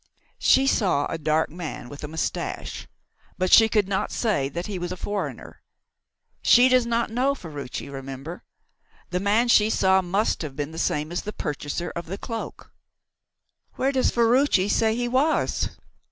"She saw a dark man, with a moustache, but she could not say that he was a foreigner. She does not know Ferruci, remember. The man she saw must have been the same as the purchaser of the cloak." "Where does Ferruci say he was?"